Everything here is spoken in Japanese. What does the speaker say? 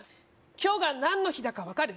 今日が何の日だか分かる？